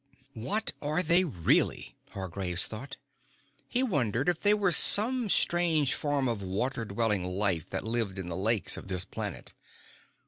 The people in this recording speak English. "What are they, really?" Hargraves thought. He wondered if they were some strange form of water dwelling life that lived in the lakes of this planet.